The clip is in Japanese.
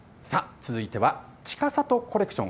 続いてはちかさとコレクション。